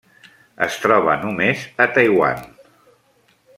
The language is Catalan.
Es troba només a Taiwan.